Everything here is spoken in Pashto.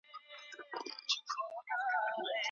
زده کوونکی باید د پوهي په لټه کي وي.